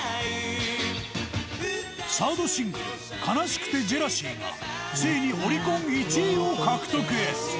サードシングル『哀しくてジェラシー』がついにオリコン１位を獲得。